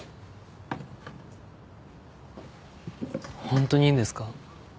ほんとにいいんですか？